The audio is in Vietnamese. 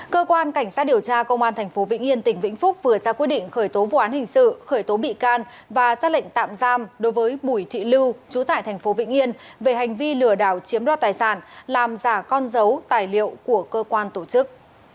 cơ quan cảnh sát điều tra công an tp vĩnh yên tỉnh vĩnh phúc vừa ra quyết định khởi tố vụ án hình sự khởi tố bị can và xác lệnh tạm giam đối với bùi thị lưu trú tại tp vĩnh yên về hành vi lừa đảo chiếm đo tài sản làm giả con dấu tài liệu của cơ quan tổ chức